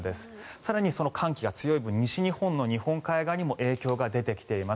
更に寒気が強い分西日本の日本海側にも影響が出てきています。